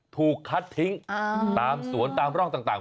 ถูกคัดทิ้งตามสวนตามร่องต่าง